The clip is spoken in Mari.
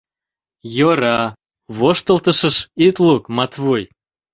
— Йӧра, воштылтышыш ит лук, Матвуй.